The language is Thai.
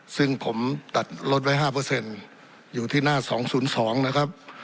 ซึ่งผมตัดลดไว้๕อยู่ที่หน้า๒๐๒นะครับ